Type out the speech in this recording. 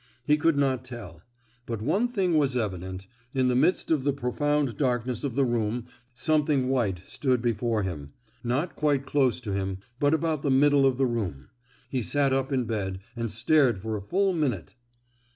He could not tell; but one thing was evident—in the midst of the profound darkness of the room something white stood before him; not quite close to him, but about the middle of the room. He sat up in bed, and stared for a full minute.